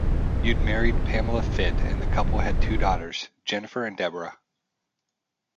Youde married Pamela Fitt and the couple had two daughters, Jennifer and Deborah.